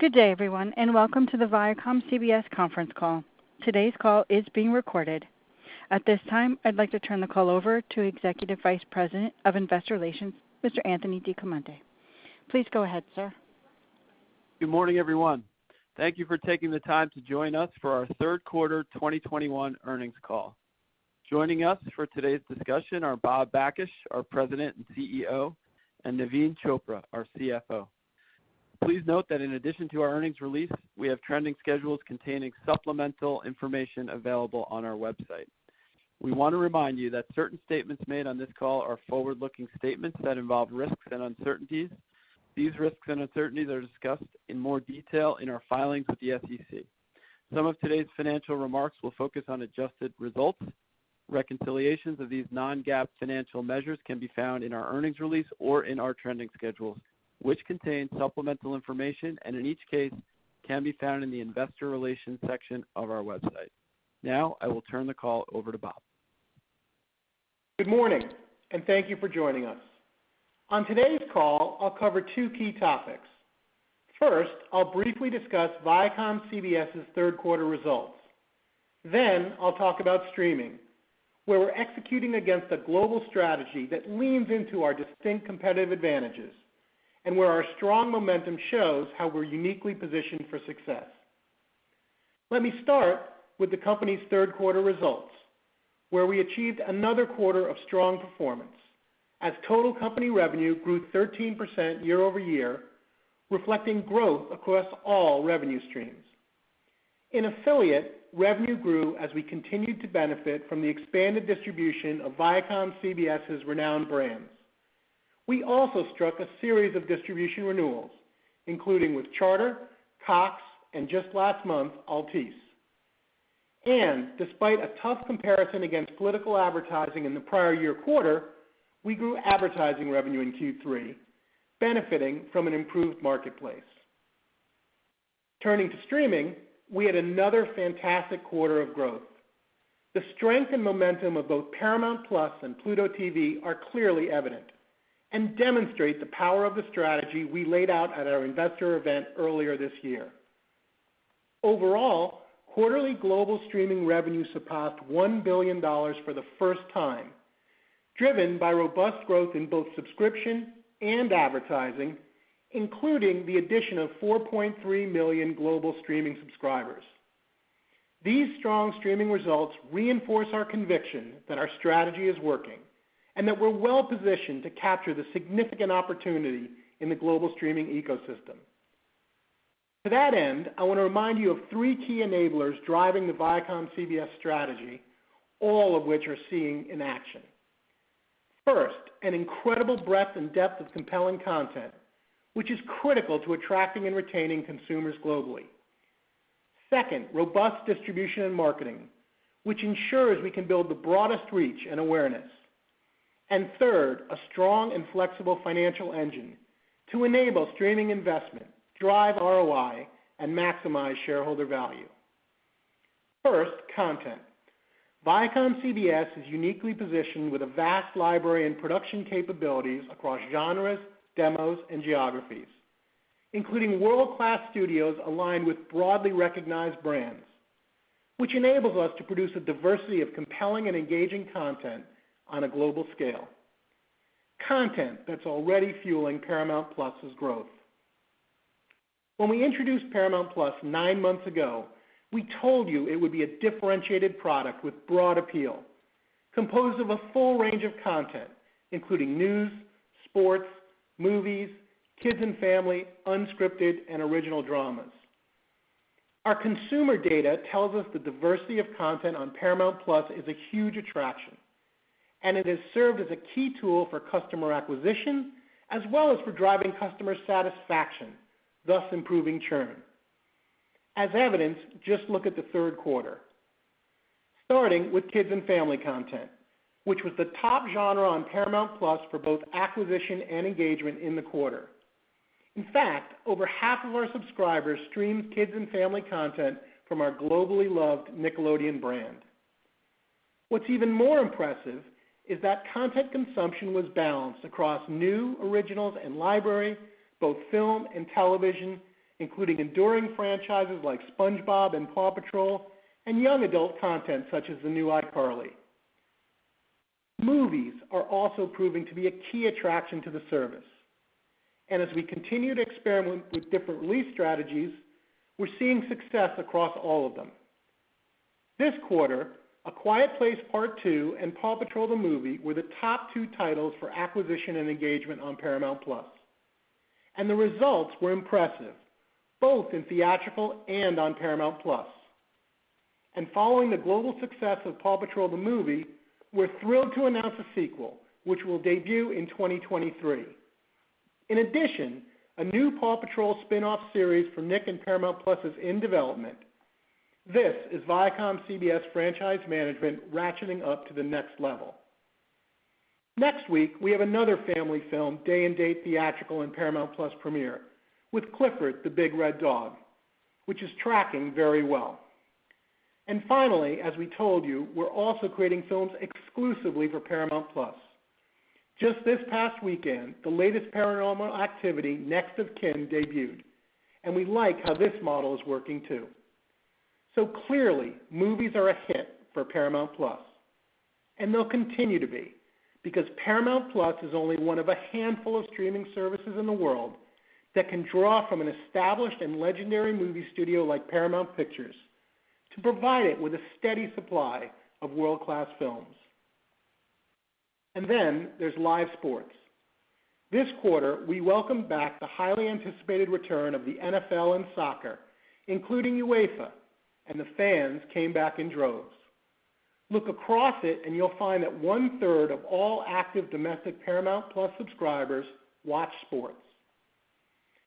Good day, everyone, and welcome to The ViacomCBS Conference Call. Today's call is being recorded. At this time, I'd like to turn the call over to Executive Vice President of Investor Relations, Mr. Anthony DiClemente. Please go ahead, sir. Good morning, everyone. Thank you for taking the time to join us for our third quarter 2021 earnings call. Joining us for today's discussion are Bob Bakish, our President and CEO, and Naveen Chopra, our CFO. Please note that in addition to our earnings release, we have trending schedules containing supplemental information available on our website. We wanna remind you that certain statements made on this call are forward-looking statements that involve risks and uncertainties. These risks and uncertainties are discussed in more detail in our filings with the SEC. Some of today's financial remarks will focus on adjusted results. Reconciliations of these non-GAAP financial measures can be found in our earnings release or in our trending schedules, which contain supplemental information, and in each case, can be found in the Investor Relations section of our website. Now, I will turn the call over to Bob. Good morning, and thank you for joining us. On today's call, I'll cover two key topics. First, I'll briefly discuss ViacomCBS's third quarter results. Then I'll talk about streaming, where we're executing against a global strategy that leans into our distinct competitive advantages and where our strong momentum shows how we're uniquely positioned for success. Let me start with the company's third quarter results, where we achieved another quarter of strong performance as total company revenue grew 13% year-over-year, reflecting growth across all revenue streams. In affiliate, revenue grew as we continued to benefit from the expanded distribution of ViacomCBS's renowned brands. We also struck a series of distribution renewals, including with Charter, Cox, and just last month, Altice. Despite a tough comparison against political advertising in the prior year quarter, we grew advertising revenue in Q3, benefiting from an improved marketplace. Turning to streaming, we had another fantastic quarter of growth. The strength and momentum of both Paramount+ and Pluto TV are clearly evident and demonstrate the power of the strategy we laid out at our Investor Event earlier this year. Overall, quarterly global streaming revenue surpassed $1 billion for the first time, driven by robust growth in both subscription and advertising, including the addition of 4.3 million global streaming subscribers. These strong streaming results reinforce our conviction that our strategy is working and that we're well-positioned to capture the significant opportunity in the global streaming ecosystem. To that end, I wanna remind you of three key enablers driving the ViacomCBS strategy, all of which we're seeing in action. First, an incredible breadth and depth of compelling content, which is critical to attracting and retaining consumers globally. Second, robust distribution and marketing, which ensures we can build the broadest reach and awareness. Third, a strong and flexible financial engine to enable streaming investment, drive ROI, and maximize shareholder value. First: content. ViacomCBS is uniquely positioned with a vast library and production capabilities across genres, demos, and geographies, including world-class studios aligned with broadly recognized brands, which enables us to produce a diversity of compelling and engaging content on a global scale. Content that's already fueling Paramount+'s growth. When we introduced Paramount+ nine months ago, we told you it would be a differentiated product with broad appeal, composed of a full range of content, including news, sports, movies, kids and family, unscripted, and original dramas. Our consumer data tells us the diversity of content on Paramount+ is a huge attraction, and it has served as a key tool for customer acquisition as well as for driving customer satisfaction, thus improving churn. As evidenced, just look at the third quarter: starting with kids and family content, which was the top genre on Paramount+ for both acquisition and engagement in the quarter. In fact, over half of our subscribers streamed kids and family content from our globally loved Nickelodeon brand. What's even more impressive is that content consumption was balanced across new originals and library, both film and television, including enduring franchises like SpongeBob and PAW Patrol, and young adult content such as the new iCarly. Movies are also proving to be a key attraction to the service. As we continue to experiment with different release strategies, we're seeing success across all of them. This quarter, A Quiet Place Part II and PAW Patrol: The Movie were the top two titles for acquisition and engagement on Paramount+. The results were impressive, both in theatrical and on Paramount+. Following the global success of PAW Patrol: The Movie, we're thrilled to announce a sequel, which will debut in 2023. In addition, a new PAW Patrol spin-off series from Nick and Paramount+ is in development. This is ViacomCBS's franchise management ratcheting up to the next level. Next week, we have another family film day-and-date theatrical and Paramount+ premiere with Clifford the Big Red Dog, which is tracking very well. Finally, as we told you, we're also creating films exclusively for Paramount+. Just this past weekend, the latest Paranormal Activity: Next of Kin debuted, and we like how this model is working, too. Clearly, movies are a hit for Paramount+, and they'll continue to be because Paramount+ is only one of a handful of streaming services in the world that can draw from an established and legendary movie studio like Paramount Pictures to provide it with a steady supply of world-class films. Then there's live sports. This quarter, we welcomed back the highly anticipated return of the NFL and soccer, including UEFA, and the fans came back in droves. Look across it and you'll find that 1/3 of all active domestic Paramount+ subscribers watch sports.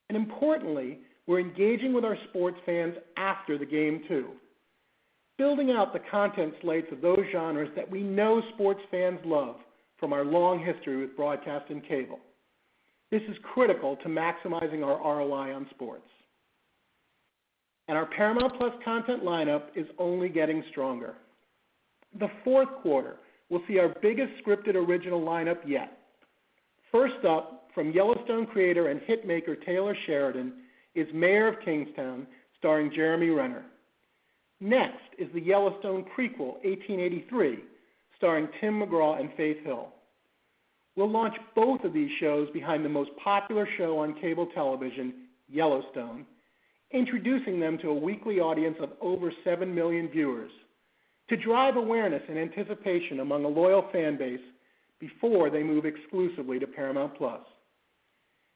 Importantly, we're engaging with our sports fans after the game, too, building out the content slates of those genres that we know sports fans love from our long history with broadcast and cable. This is critical to maximizing our ROI on sports. Our Paramount+ content lineup is only getting stronger. The fourth quarter will see our biggest scripted original lineup yet. First up, from Yellowstone creator and hit maker Taylor Sheridan, is Mayor of Kingstown, starring Jeremy Renner. Next is the Yellowstone prequel, 1883, starring Tim McGraw and Faith Hill. We'll launch both of these shows behind the most popular show on cable television, Yellowstone, introducing them to a weekly audience of over seven million viewers to drive awareness and anticipation among a loyal fan base before they move exclusively to Paramount+.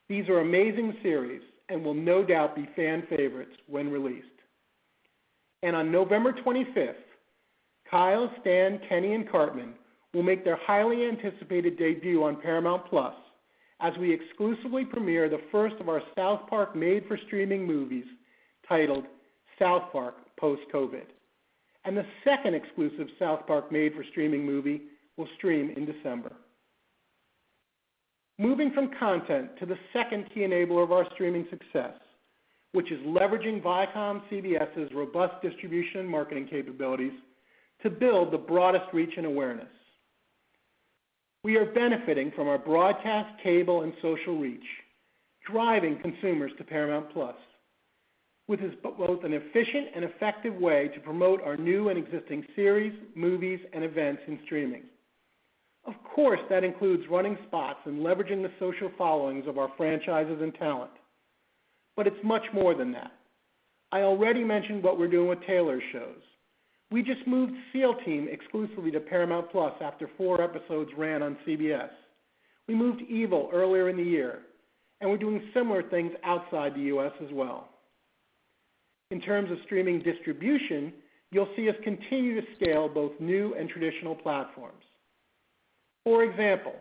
These are amazing series and will no doubt be fan favorites when released. On November 25th, Kyle, Stan, Kenny, and Cartman will make their highly anticipated debut on Paramount+ as we exclusively premiere the first of our South Park made-for-streaming movies titled South Park: Post COVID. The second exclusive South Park made-for-streaming movie will stream in December. Moving from content to the second key enabler of our streaming success, which is leveraging ViacomCBS's robust distribution and marketing capabilities to build the broadest reach and awareness. We are benefiting from our broadcast, cable, and social reach, driving consumers to Paramount+, which is both an efficient and effective way to promote our new and existing series, movies, and events in streaming. Of course, that includes running spots and leveraging the social followings of our franchises and talent. But it's much more than that. I already mentioned what we're doing with Taylor's shows. We just moved SEAL Team exclusively to Paramount+ after four episodes ran on CBS. We moved Evil earlier in the year. We're doing similar things outside the U.S. as well. In terms of streaming distribution, you'll see us continue to scale both new and traditional platforms. For example,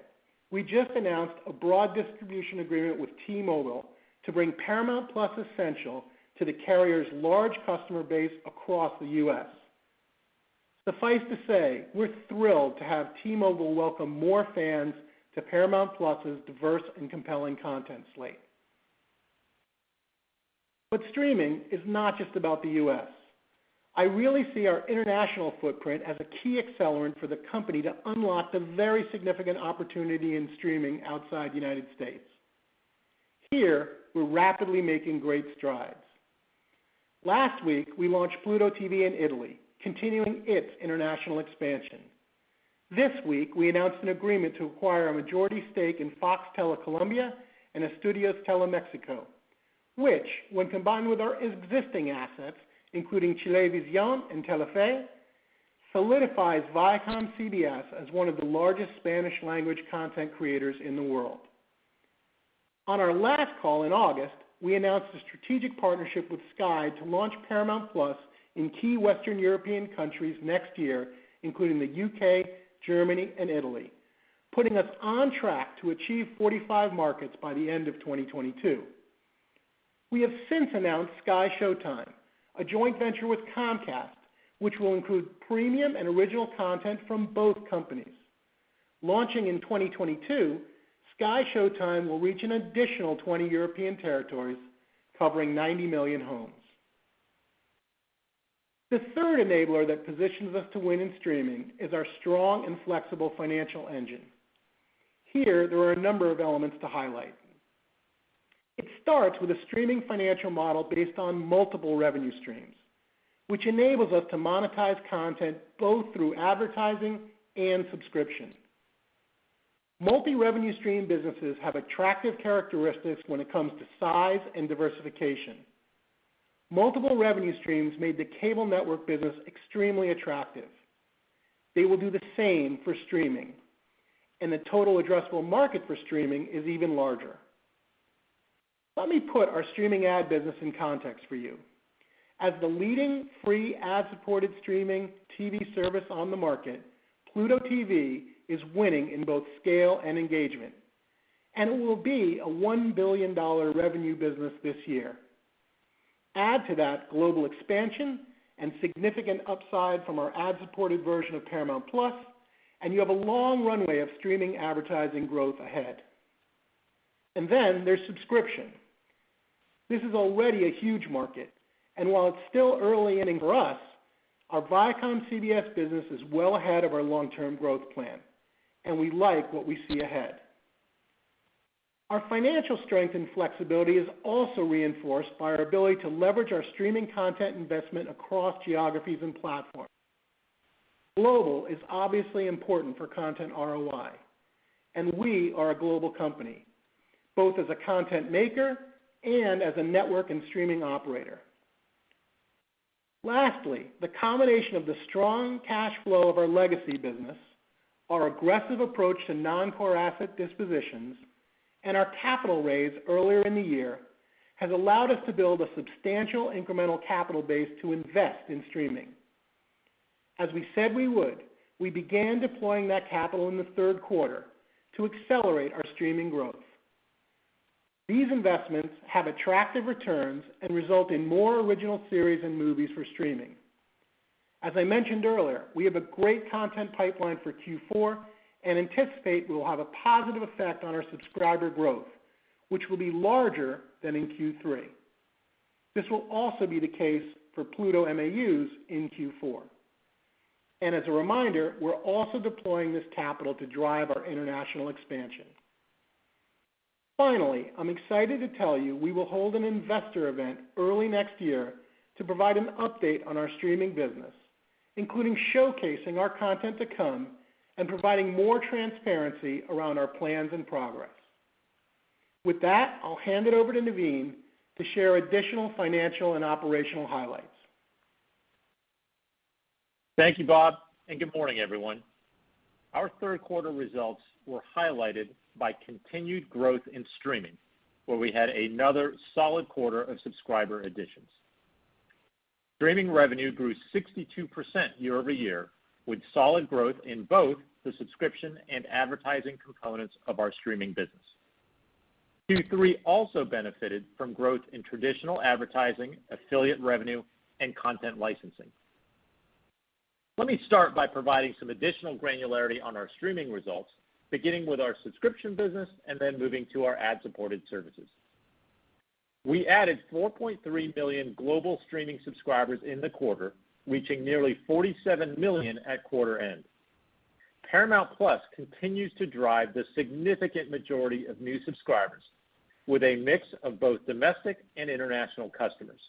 we just announced a broad distribution agreement with T-Mobile to bring Paramount+ Essential to the carrier's large customer base across the U.S. Suffice to say, we're thrilled to have T-Mobile welcome more fans to Paramount+'s diverse and compelling content slate. Streaming is not just about the U.S. I really see our international footprint as a key accelerant for the company to unlock the very significant opportunity in streaming outside the United States. Here, we're rapidly making great strides. Last week, we launched Pluto TV in Italy, continuing its international expansion. This week, we announced an agreement to acquire a majority stake in FoxTelecolombia and Estudios TeleMéxico, which, when combined with our existing assets, including Chilevisión and Telefe, solidifies ViacomCBS as one of the largest Spanish-language content creators in the world. On our last call in August, we announced a strategic partnership with Sky to launch Paramount+ in key Western European countries next year, including the U.K., Germany, and Italy, putting us on track to achieve 45 markets by the end of 2022. We have since announced SkyShowtime, a joint venture with Comcast, which will include premium and original content from both companies. Launching in 2022, SkyShowtime will reach an additional 20 European territories covering 90 million homes. The third enabler that positions us to win in streaming is our strong and flexible financial engine. Here, there are a number of elements to highlight. It starts with a streaming financial model based on multiple revenue streams, which enables us to monetize content both through advertising and subscription. Multi-revenue stream businesses have attractive characteristics when it comes to size and diversification. Multiple revenue streams made the cable network business extremely attractive. They will do the same for streaming. The total addressable market for streaming is even larger. Let me put our streaming ad business in context for you. As the leading free ad-supported streaming TV service on the market, Pluto TV is winning in both scale and engagement, and it will be a $1 billion revenue business this year. Add to that global expansion and significant upside from our ad-supported version of Paramount+, and you have a long runway of streaming advertising growth ahead. Then there's subscription. This is already a huge market, and while it's still early innings for us, our ViacomCBS business is well ahead of our long-term growth plan, and we like what we see ahead. Our financial strength and flexibility is also reinforced by our ability to leverage our streaming content investment across geographies and platforms. Global is obviously important for content ROI, and we are a global company, both as a content maker and as a network and streaming operator. Lastly, the combination of the strong cash flow of our legacy business, our aggressive approach to non-core asset dispositions, and our capital raise earlier in the year has allowed us to build a substantial incremental capital base to invest in streaming. As we said we would, we began deploying that capital in the third quarter to accelerate our streaming growth. These investments have attractive returns and result in more original series and movies for streaming. As I mentioned earlier, we have a great content pipeline for Q4 and anticipate we will have a positive effect on our subscriber growth, which will be larger than in Q3. This will also be the case for Pluto MAUs in Q4. As a reminder, we're also deploying this capital to drive our international expansion. Finally, I'm excited to tell you we will hold an Investor Event early next year to provide an update on our streaming business, including showcasing our content to come and providing more transparency around our plans and progress. With that, I'll hand it over to Naveen to share additional financial and operational highlights. Thank you, Bob, and good morning, everyone. Our third quarter results were highlighted by continued growth in streaming, where we had another solid quarter of subscriber additions. Streaming revenue grew 62% year-over-year, with solid growth in both the subscription and advertising components of our streaming business. Q3 also benefited from growth in traditional advertising, affiliate revenue, and content licensing. Let me start by providing some additional granularity on our streaming results, beginning with our subscription business and then moving to our ad-supported services. We added 4.3 million global streaming subscribers in the quarter, reaching nearly 47 million at quarter end. Paramount+ continues to drive the significant majority of new subscribers with a mix of both domestic and international customers.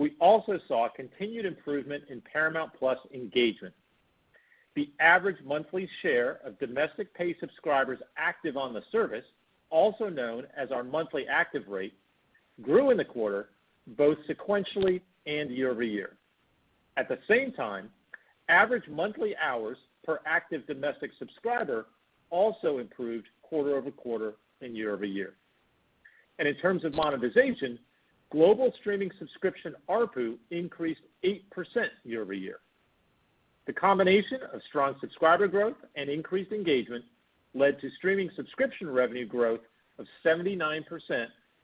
We also saw continued improvement in Paramount+ engagement. The average monthly share of domestic paid subscribers active on the service, also known as our monthly active rate, grew in the quarter, both sequentially and year-over-year. At the same time, average monthly hours per active domestic subscriber also improved quarter-over-quarter and year-over-year. In terms of monetization, global streaming subscription ARPU increased 8% year-over-year. The combination of strong subscriber growth and increased engagement led to streaming subscription revenue growth of 79%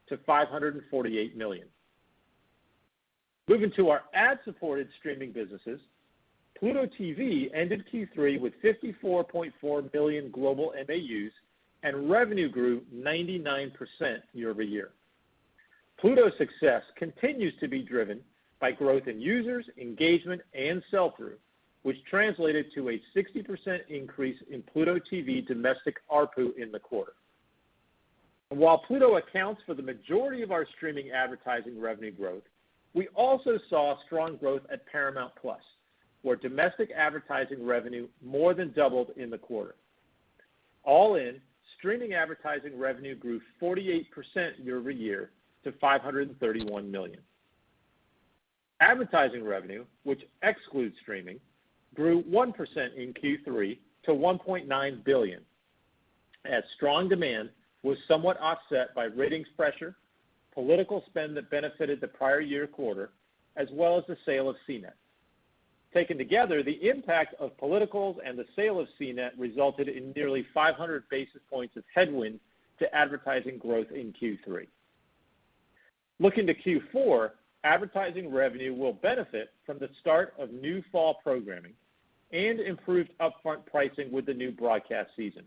to $548 million. Moving to our ad-supported streaming businesses, Pluto TV ended Q3 with 54.4 million global MAUs, and revenue grew 99% year-over-year. Pluto TV's success continues to be driven by growth in users, engagement, and sell-through, which translated to a 60% increase in Pluto TV domestic ARPU in the quarter. While Pluto TV accounts for the majority of our streaming advertising revenue growth, we also saw strong growth at Paramount+, where domestic advertising revenue more than doubled in the quarter. All in, streaming advertising revenue grew 48% year-over-year to $531 million. Advertising revenue, which excludes streaming, grew 1% in Q3 to $1.9 billion, as strong demand was somewhat offset by ratings pressure, political spend that benefited the prior year quarter, as well as the sale of CNET. Taken together, the impact of politicals and the sale of CNET resulted in nearly 500 basis points of headwind to advertising growth in Q3. Looking to Q4, advertising revenue will benefit from the start of new fall programming and improved upfront pricing with the new broadcast season.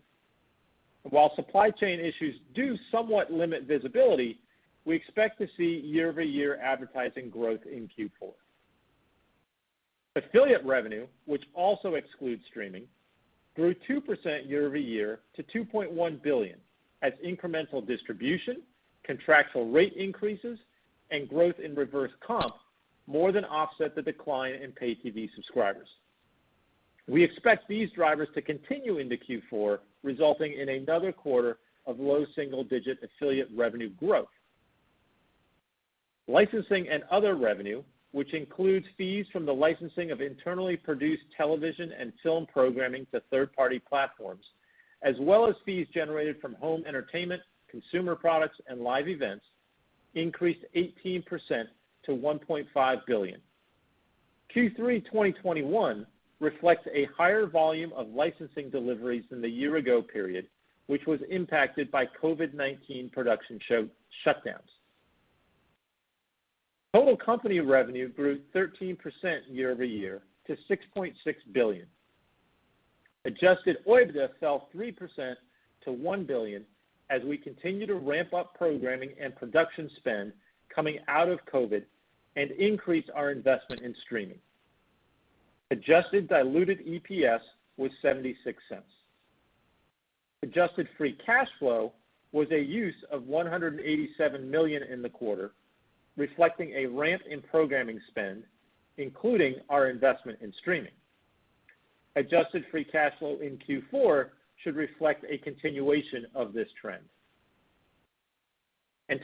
While supply chain issues do somewhat limit visibility, we expect to see year-over-year advertising growth in Q4. Affiliate revenue, which also excludes streaming, grew 2% year-over-year to $2.1 billion as incremental distribution, contractual rate increases, and growth in reverse comp more than offset the decline in paid TV subscribers. We expect these drivers to continue into Q4, resulting in another quarter of low single-digit affiliate revenue growth. Licensing and other revenue, which includes fees from the licensing of internally produced television and film programming to third-party platforms, as well as fees generated from home entertainment, consumer products, and live events, increased 18% to $1.5 billion. Q3 2021 reflects a higher volume of licensing deliveries than the year ago period, which was impacted by COVID-19 production show shutdowns. Total company revenue grew 13% year-over-year to $6.6 billion. Adjusted OIBDA fell 3% to $1 billion as we continue to ramp up programming and production spend coming out of COVID and increase our investment in streaming. Adjusted diluted EPS was $0.76. Adjusted free cash flow was a use of $187 million in the quarter, reflecting a ramp in programming spend, including our investment in streaming. Adjusted free cash flow in Q4 should reflect a continuation of this trend.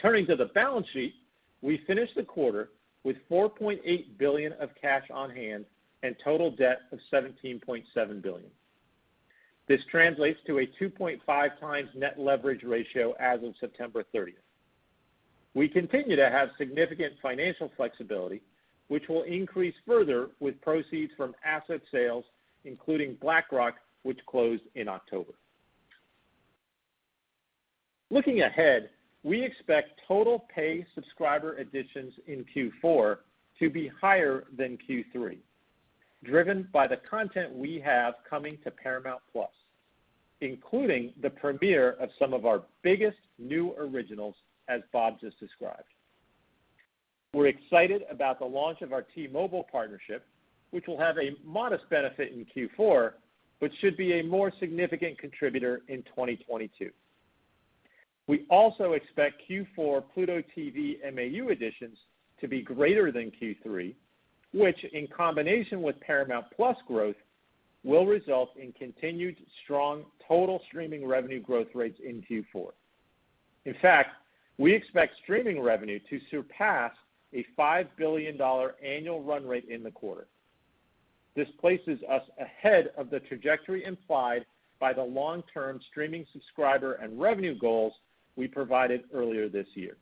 Turning to the balance sheet, we finished the quarter with $4.8 billion of cash on hand and total debt of $17.7 billion. This translates to a 2.5x net leverage ratio as of September 30. We continue to have significant financial flexibility, which will increase further with proceeds from asset sales, including Black Rock, which closed in October. Looking ahead, we expect total paid subscriber additions in Q4 to be higher than Q3, driven by the content we have coming to Paramount+, including the premiere of some of our biggest new originals, as Bob just described. We're excited about the launch of our T-Mobile partnership, which will have a modest benefit in Q4, but should be a more significant contributor in 2022. We also expect Q4 Pluto TV MAU additions to be greater than Q3, which in combination with Paramount+ growth, will result in continued strong total streaming revenue growth rates in Q4. In fact, we expect streaming revenue to surpass a $5 billion annual run rate in the quarter. This places us ahead of the trajectory implied by the long-term streaming subscriber and revenue goals we provided earlier this year.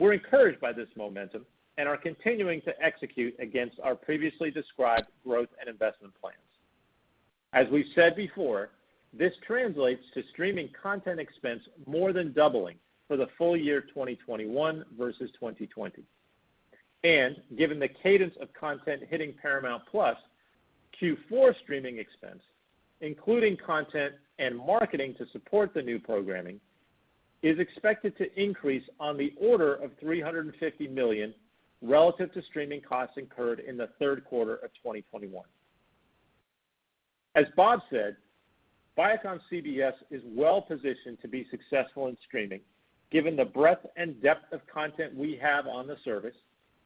We're encouraged by this momentum and are continuing to execute against our previously described growth and investment plans. As we've said before, this translates to streaming content expense more than doubling for the full year 2021 versus 2020. Given the cadence of content hitting Paramount+, Q4 streaming expense, including content and marketing to support the new programming, is expected to increase on the order of $350 million relative to streaming costs incurred in the third quarter of 2021. As Bob said, ViacomCBS is well-positioned to be successful in streaming given the breadth and depth of content we have on the service,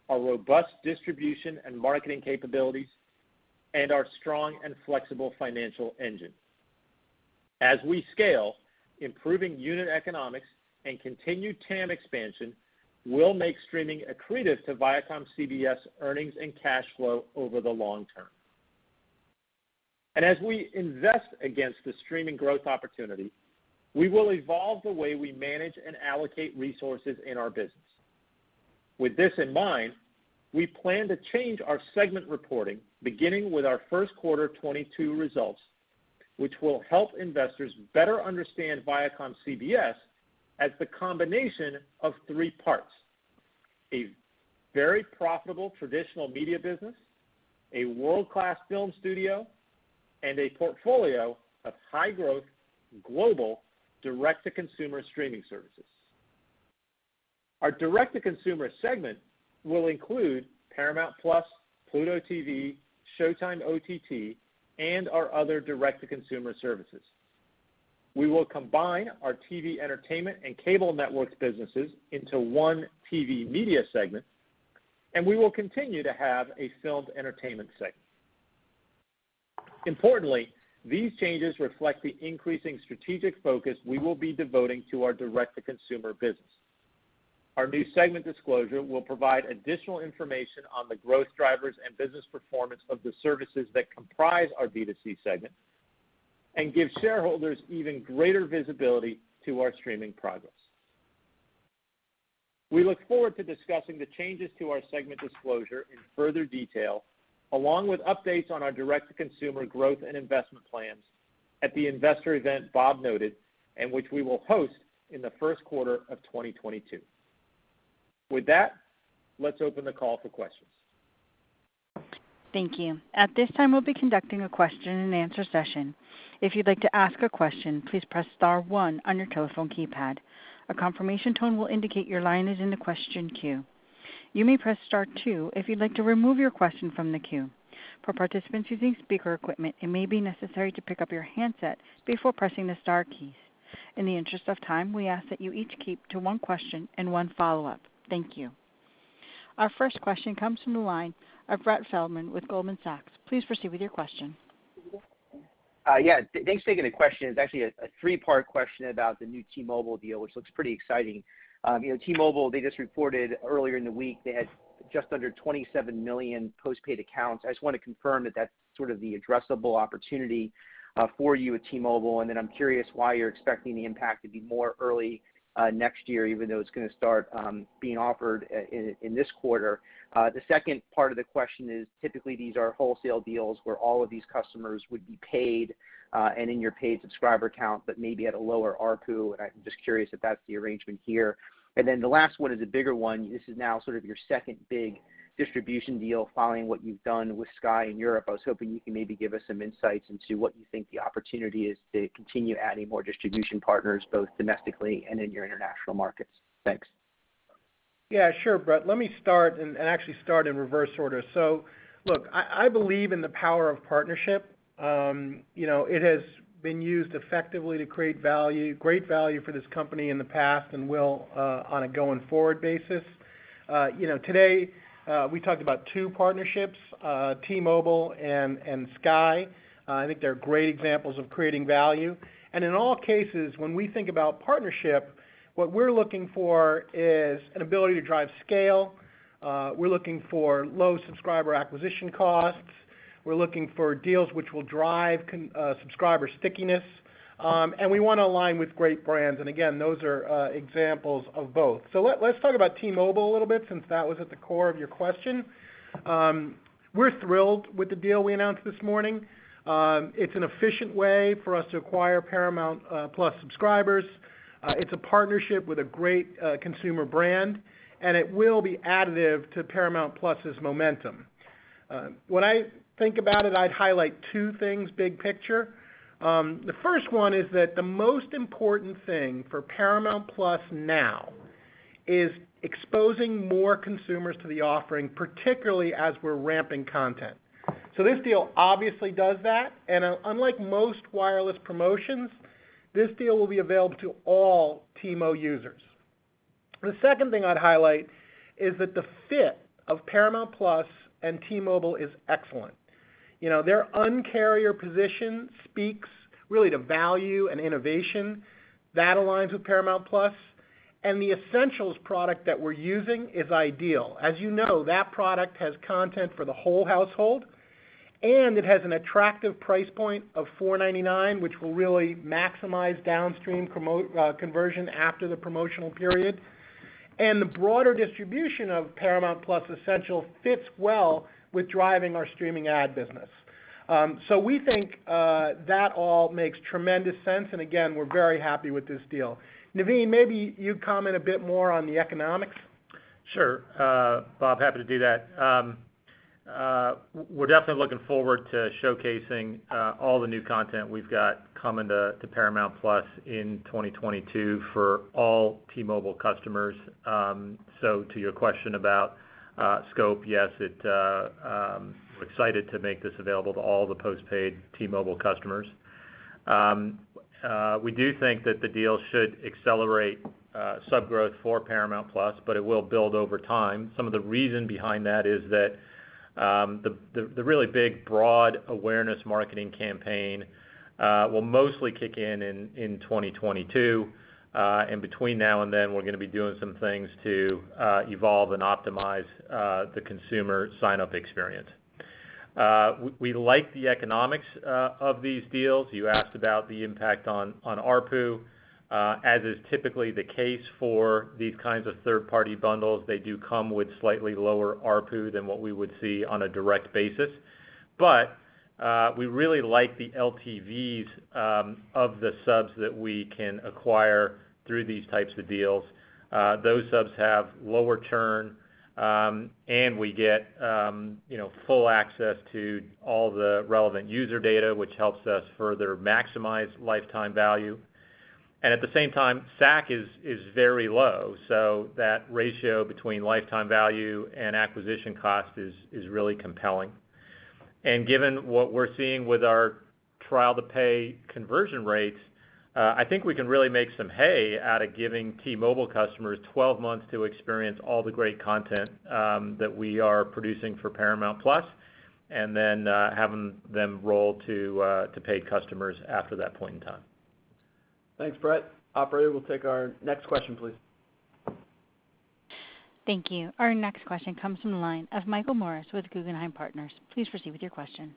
our robust distribution and marketing capabilities, and our strong and flexible financial engine. As we scale, improving unit economics and continued TAM expansion will make streaming accretive to ViacomCBS earnings and cash flow over the long term. As we invest against the streaming growth opportunity, we will evolve the way we manage and allocate resources in our business. With this in mind, we plan to change our segment reporting beginning with our first quarter 2022 results, which will help investors better understand ViacomCBS as the combination of three parts: a very profitable traditional media business, a world-class film studio, and a portfolio of high-growth global direct-to-consumer streaming services. Our Direct-to-Consumer Segment will include Paramount+, Pluto TV, Showtime OTT, and our other direct-to-consumer services. We will combine our TV Entertainment and Cable Networks businesses into one TV Media Segment, and we will continue to have a Filmed Entertainment Segment. Importantly, these changes reflect the increasing strategic focus we will be devoting to our direct-to-consumer business. Our new segment disclosure will provide additional information on the growth drivers and business performance of the services that comprise our B2C Segment and give shareholders even greater visibility to our streaming progress. We look forward to discussing the changes to our segment disclosure in further detail, along with updates on our direct-to-consumer growth and investment plans at the Investor Event Bob noted and which we will host in the first quarter of 2022. With that, let's open the call for questions. Thank you. At this time, we'll be conducting a question-and-answer session. If you'd like to ask a question, please press star one on your telephone keypad. A confirmation tone will indicate your line is in the question queue. You may press star two if you'd like to remove your question from the queue. For participants using speaker equipment, it may be necessary to pick up your handset before pressing the star keys. In the interest of time, we ask that you each keep to one question and one follow-up. Thank you. Our first question comes from the line of Brett Feldman with Goldman Sachs. Please proceed with your question. Yeah. Thanks for taking the question. It's actually a three-part question about the new T-Mobile deal, which looks pretty exciting. You know, T-Mobile, they just reported earlier in the week they had just under 27 million postpaid accounts. I just wanna confirm that that's sort of the addressable opportunity for you at T-Mobile. I'm curious why you're expecting the impact to be more early next year, even though it's gonna start being offered in this quarter. The second part of the question is, typically these are wholesale deals where all of these customers would be paid and in your paid subscriber count, but maybe at a lower ARPU. I'm just curious if that's the arrangement here. The last one is a bigger one. This is now sort of your second big distribution deal following what you've done with Sky in Europe. I was hoping you can maybe give us some insights into what you think the opportunity is to continue adding more distribution partners both domestically and in your international markets. Thanks. Yeah, sure, Brett. Let me start and actually start in reverse order. Look, I believe in the power of partnership. You know, it has been used effectively to create value, great value for this company in the past and will on a going forward basis. You know, today, we talked about two partnerships, T-Mobile and Sky. I think they're great examples of creating value. In all cases, when we think about partnership, what we're looking for is an ability to drive scale. We're looking for low subscriber acquisition costs. We're looking for deals which will drive subscriber stickiness, and we wanna align with great brands. Again, those are examples of both. Let's talk about T-Mobile a little bit since that was at the core of your question. We're thrilled with the deal we announced this morning. It's an efficient way for us to acquire Paramount+ subscribers. It's a partnership with a great consumer brand, and it will be additive to Paramount+'s momentum. When I think about it, I'd highlight two things big picture. The first one is that the most important thing for Paramount+ now is exposing more consumers to the offering, particularly as we're ramping content. This deal obviously does that. Unlike most wireless promotions, this deal will be available to all T-Mobile users. The second thing I'd highlight is that the fit of Paramount+ and T-Mobile is excellent. You know, their Un-carrier position speaks really to value and innovation. That aligns with Paramount+. The Essential product that we're using is ideal. As you know, that product has content for the whole household, and it has an attractive price point of $4.99, which will really maximize downstream promotion conversion after the promotional period. The broader distribution of Paramount+ Essential fits well with driving our streaming ad business. We think that all makes tremendous sense. Again, we're very happy with this deal. Naveen, maybe you comment a bit more on the economics. Sure, Bob, happy to do that. We're definitely looking forward to showcasing all the new content we've got coming to Paramount+ in 2022 for all T-Mobile customers. To your question about scope, yes, it—we're excited to make this available to all the postpaid T-Mobile customers. We do think that the deal should accelerate sub growth for Paramount+, but it will build over time. Some of the reason behind that is that the really big broad awareness marketing campaign will mostly kick in in 2022. Between now and then, we're gonna be doing some things to evolve and optimize the consumer sign-up experience. We like the economics of these deals. You asked about the impact on ARPU. As is typically the case for these kinds of third-party bundles, they do come with slightly lower ARPU than what we would see on a direct basis. We really like the LTVs of the subs that we can acquire through these types of deals. Those subs have lower churn, and we get, you know, full access to all the relevant user data, which helps us further maximize lifetime value. At the same time, SAC is very low, so that ratio between lifetime value and acquisition cost is really compelling. Given what we're seeing with our trial-to-pay conversion rates, I think we can really make some hay out of giving T-Mobile customers 12 months to experience all the great content that we are producing for Paramount+, and then having them roll to paid customers after that point in time. Thanks, Brett. Operator, we'll take our next question, please. Thank you. Our next question comes from the line of Michael Morris with Guggenheim Partners. Please proceed with your question.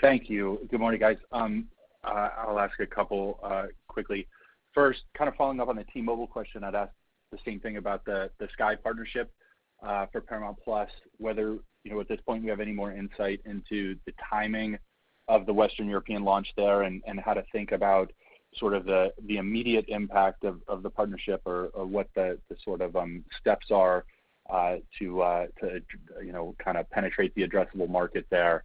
Thank you. Good morning, guys. I'll ask a couple quickly. First, kind of following up on the T-Mobile question, I'd ask the same thing about the Sky partnership for Paramount+, whether, you know, at this point you have any more insight into the timing of the Western European launch there and how to think about sort of the immediate impact of the partnership or what the sort of steps are to, you know, kind of penetrate the addressable market there,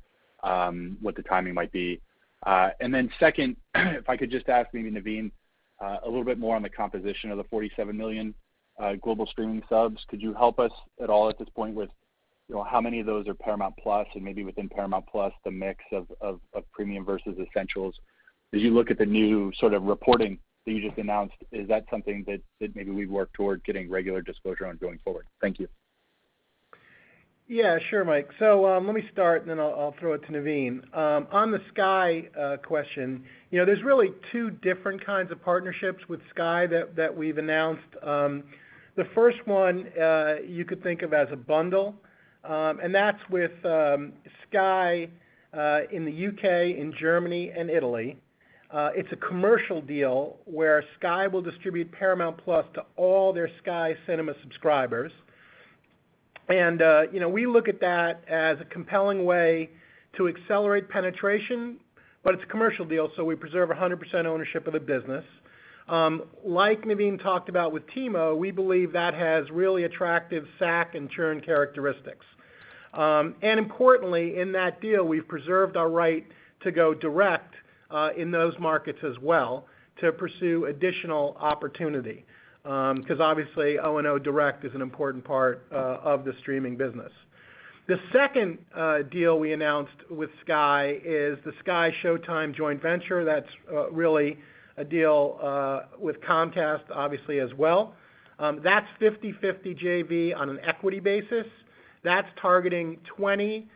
what the timing might be. And then second, if I could just ask maybe Naveen a little bit more on the composition of the 47 million global streaming subs. Could you help us at all at this point with, you know, how many of those are Paramount+, and maybe within Paramount+, the mix of Premium versus Essential? As you look at the new sort of reporting that you just announced, is that something that maybe we work toward getting regular disclosure on going forward? Thank you. Yeah, sure, Mike. Let me start, and then I'll throw it to Naveen. On the Sky question, you know, there's really two different kinds of partnerships with Sky that we've announced. The first one, you could think of as a bundle, and that's with Sky in the U.K., in Germany and Italy. It's a commercial deal where Sky will distribute Paramount+ to all their Sky Cinema subscribers. You know, we look at that as a compelling way to accelerate penetration, but it's a commercial deal, so we preserve 100% ownership of the business. Like Naveen talked about with T-Mobile, we believe that has really attractive SAC and churn characteristics. Importantly, in that deal, we've preserved our right to go direct in those markets as well to pursue additional opportunity, 'cause obviously O&O direct is an important part of the streaming business. The second deal we announced with Sky is the SkyShowtime joint venture. That's really a deal with Comcast obviously as well. That's 50/50 JV on an equity basis. That's targeting 20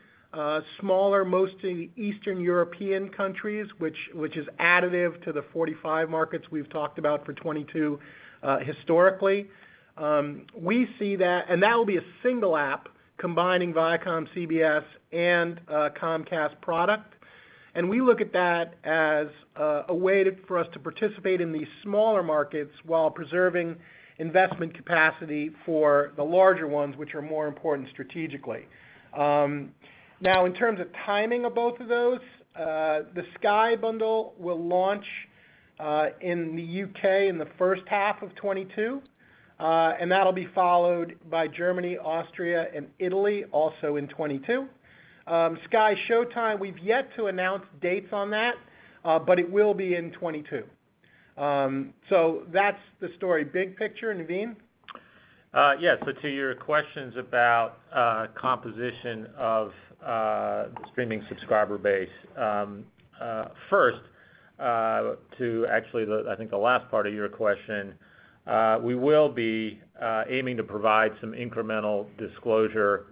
smaller, mostly Eastern European countries, which is additive to the 45 markets we've talked about for 2022 historically. We see that. That'll be a single app combining ViacomCBS and a Comcast product. We look at that as a way for us to participate in these smaller markets while preserving investment capacity for the larger ones, which are more important strategically. In terms of timing of both of those, the Sky bundle will launch in the U.K. in the first half of 2022, and that'll be followed by Germany, Austria, and Italy also in 2022. SkyShowtime, we've yet to announce dates on that, but it will be in 2022. That's the story big picture. Naveen? Yes. To your questions about composition of the streaming subscriber base. First, actually to the last part of your question, we will be aiming to provide some incremental disclosure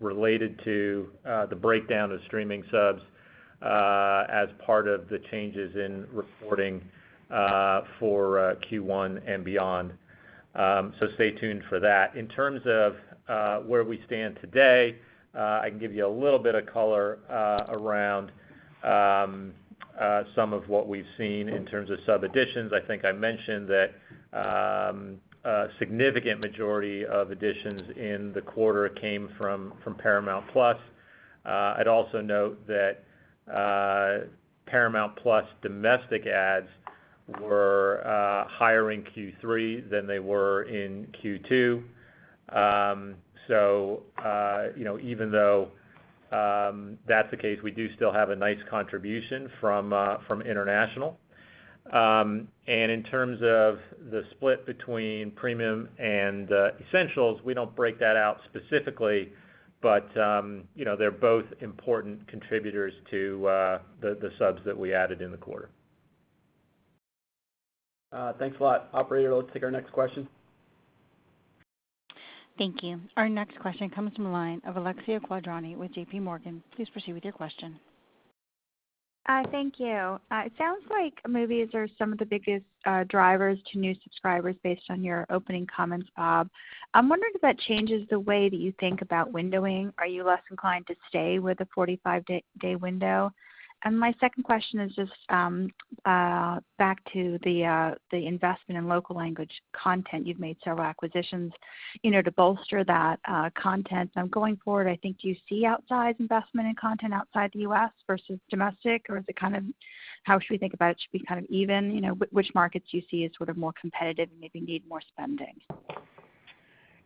related to the breakdown of streaming subs as part of the changes in reporting for Q1 and beyond. Stay tuned for that. In terms of where we stand today, I can give you a little bit of color around some of what we've seen in terms of sub additions. I think I mentioned that a significant majority of additions in the quarter came from Paramount+. I'd also note that Paramount+ domestic adds were higher in Q3 than they were in Q2. You know, even though that's the case, we do still have a nice contribution from international. In terms of the split between Premium and Essential, we don't break that out specifically, but you know, they're both important contributors to the subs that we added in the quarter. Thanks a lot. Operator, let's take our next question. Thank you. Our next question comes from the line of Alexia Quadrani with J.P. Morgan. Please proceed with your question. Thank you. It sounds like movies are some of the biggest drivers to new subscribers based on your opening comments, Bob. I'm wondering if that changes the way that you think about windowing. Are you less inclined to stay with a 45-day window? My second question is just back to the investment in local language content. You've made several acquisitions, you know, to bolster that content. Going forward, do you see outsized investment in content outside the U.S. versus domestic, or is it kind of how should we think about it should be kind of even, you know, which markets do you see as sort of more competitive and maybe need more spending?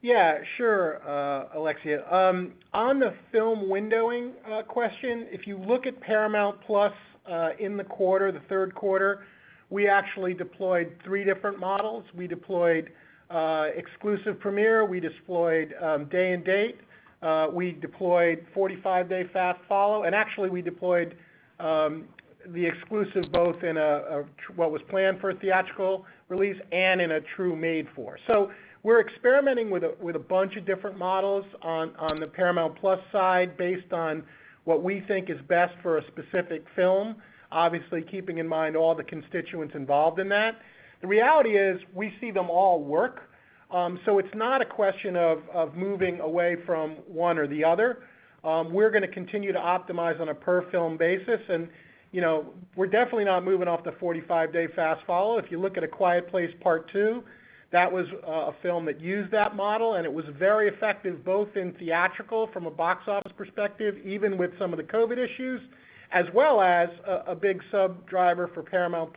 Yeah, sure, Alexia. On the film windowing question, if you look at Paramount+, in the quarter, the third quarter, we actually deployed three different models. We deployed exclusive premiere, we deployed day and date, we deployed 45-day fast follow, and actually we deployed the exclusive both in a what was planned for a theatrical release and in a true made-for. We're experimenting with a bunch of different models on the Paramount+ side based on what we think is best for a specific film, obviously keeping in mind all the constituents involved in that. The reality is we see them all work. It's not a question of moving away from one or the other. We're gonna continue to optimize on a per film basis and, you know, we're definitely not moving off the 45-day fast follow. If you look at A Quiet Place Part II, that was a film that used that model, and it was very effective both in theatrical from a box office perspective, even with some of the COVID issues, as well as a big sub driver for Paramount+.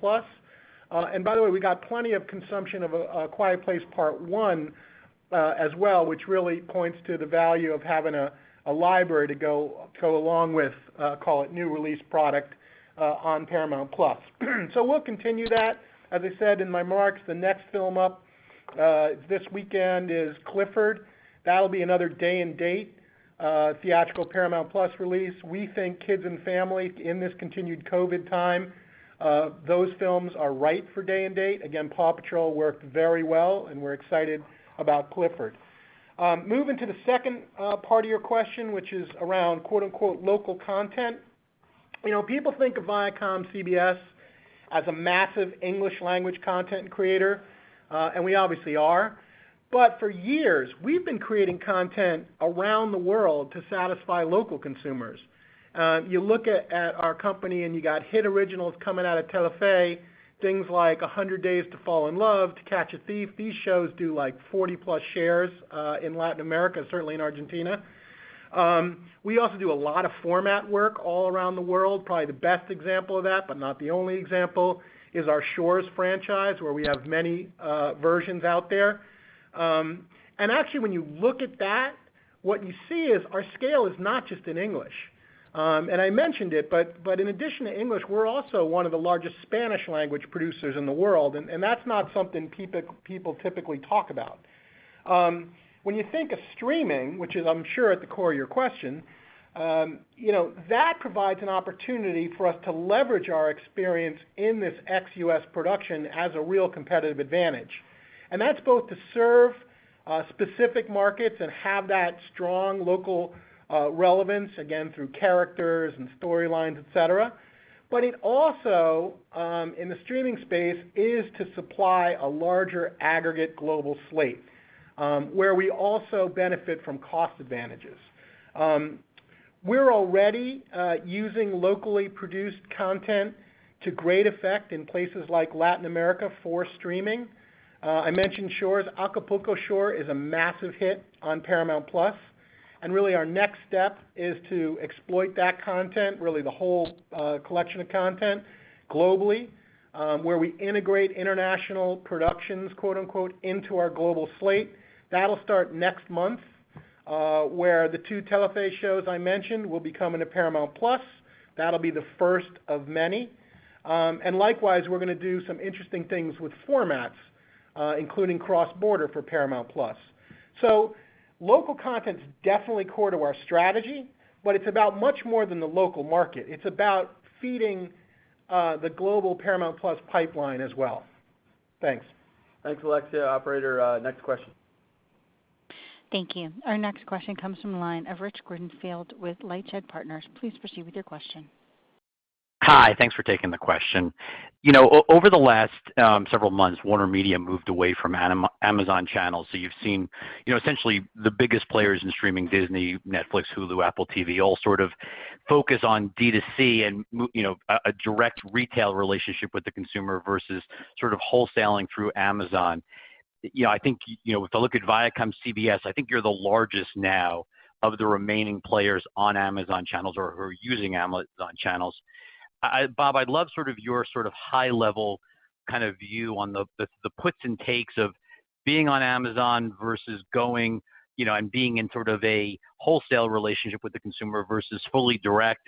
And by the way, we got plenty of consumption of A Quiet Place, as well, which really points to the value of having a library to go along with, call it new release product, on Paramount+. We'll continue that. As I said in my remarks, the next film up this weekend is Clifford. That'll be another day-and-date theatrical Paramount+ release. We think kids and family in this continued COVID time, those films are right for day and date. Again, PAW Patrol worked very well, and we're excited about Clifford. Moving to the second part of your question, which is around quote-unquote local content. You know, people think of ViacomCBS as a massive English language content creator, and we obviously are. But for years, we've been creating content around the world to satisfy local consumers. You look at our company and you got hit originals coming out of Telefe, things like 100 Days to Fall in Love, To Catch a Thief. These shows do like 40+ shares in Latin America, certainly in Argentina. We also do a lot of format work all around the world. Probably the best example of that, but not the only example, is our Shores franchise, where we have many versions out there. Actually, when you look at that, what you see is our scale is not just in English. I mentioned it, but in addition to English, we're also one of the largest Spanish-language producers in the world, and that's not something people typically talk about. When you think of streaming, which is I'm sure at the core of your question, you know, that provides an opportunity for us to leverage our experience in this ex-U.S. production as a real competitive advantage. That's both to serve specific markets and have that strong local relevance, again, through characters and storylines, et cetera. It also, in the streaming space, is to supply a larger aggregate global slate, where we also benefit from cost advantages. We're already using locally produced content to great effect in places like Latin America for streaming. I mentioned Shores. Acapulco Shore is a massive hit on Paramount+. Really our next step is to exploit that content, really the whole collection of content globally, where we integrate international productions, quote-unquote, into our global slate. That'll start next month, where the two Telefe shows I mentioned will be coming to Paramount+. That'll be the first of many. Likewise, we're gonna do some interesting things with formats, including cross-border for Paramount+. Local content's definitely core to our strategy, but it's about much more than the local market. It's about feeding the global Paramount+ pipeline as well. Thanks. Thanks, Alexia. Operator, next question. Thank you. Our next question comes from line of Richard Greenfield with LightShed Partners. Please proceed with your question. Hi. Thanks for taking the question. Over the last several months, WarnerMedia moved away from Amazon Channels. You've seen essentially the biggest players in streaming, Disney, Netflix, Hulu, Apple TV+, all sort of focus on D2C and a direct retail relationship with the consumer versus sort of wholesaling through Amazon. I think if I look at ViacomCBS, I think you're the largest now of the remaining players on Amazon Channels or using Amazon Channels. Bob, I'd love sort of your sort of high level kind of view on the puts and takes of being on Amazon versus going and being in sort of a wholesale relationship with the consumer versus fully direct.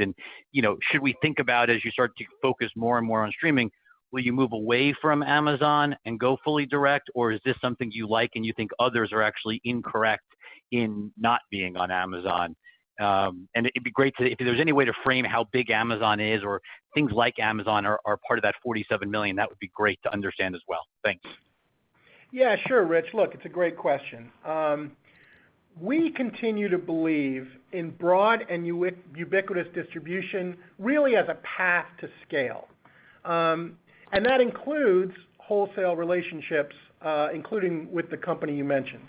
You know, should we think about as you start to focus more and more on streaming, will you move away from Amazon and go fully direct, or is this something you like and you think others are actually incorrect in not being on Amazon? It'd be great to. If there's any way to frame how big Amazon is or things like Amazon are part of that 47 million, that would be great to understand as well. Thanks. Yeah. Sure, Rich. Look, it's a great question. We continue to believe in broad and ubiquitous distribution really as a path to scale. That includes wholesale relationships, including with the company you mentioned.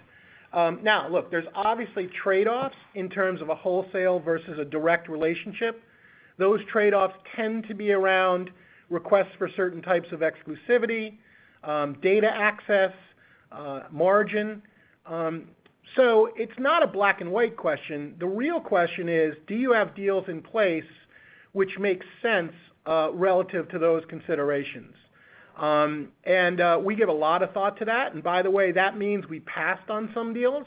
Now look, there's obviously trade-offs in terms of a wholesale versus a direct relationship. Those trade-offs tend to be around requests for certain types of exclusivity, data access, margin. It's not a black and white question. The real question is, do you have deals in place which make sense relative to those considerations? We give a lot of thought to that. By the way, that means we passed on some deals.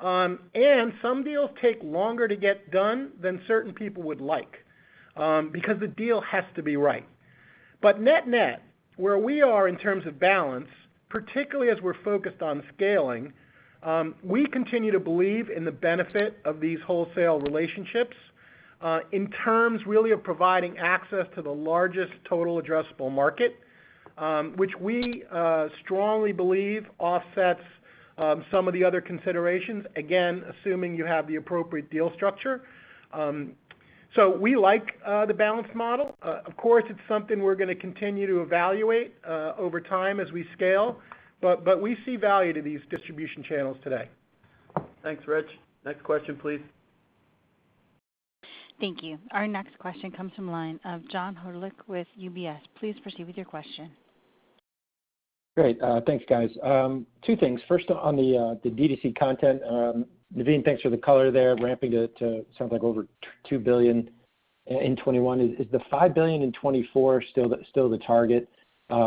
Some deals take longer to get done than certain people would like, because the deal has to be right. Net-net, where we are in terms of balance, particularly as we're focused on scaling, we continue to believe in the benefit of these wholesale relationships, in terms really of providing access to the largest total addressable market, which we strongly believe offsets some of the other considerations, again, assuming you have the appropriate deal structure. We like the balance model. Of course, it's something we're gonna continue to evaluate over time as we scale, but we see value to these distribution channels today. Thanks, Richard. Next question, please. Thank you. Our next question comes from the line of John Hodulik with UBS. Please proceed with your question. Great. Thanks, guys. Two things. First, on the D2C content. Naveen, thanks for the color there, ramping to sounds like over $2 billion in 2021. Is the $5 billion in 2024 still the target?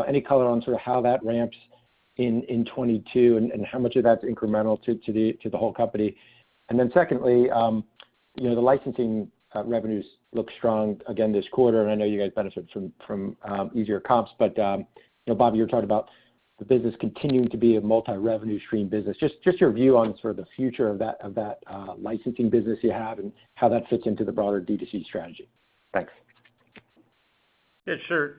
Any color on sort of how that ramps in 2022 and how much of that's incremental to the whole company? Then secondly, you know, the licensing revenues look strong again this quarter, and I know you guys benefit from easier comps. You know, Bob, you were talking about the business continuing to be a multi-revenue stream business. Just your view on sort of the future of that licensing business you have and how that fits into the broader D2C strategy. Thanks. Yeah, sure.